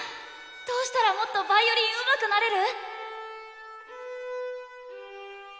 どうしたらもっとヴァイオリンうまくなれる？